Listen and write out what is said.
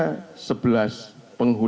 ini bukan masalah gusur menggusur